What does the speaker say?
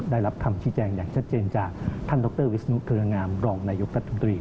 ได้รับคำชี้แจงอย่างชัดเจนจากท่านดรวิศนุเครืองามรองนายกรัฐมนตรี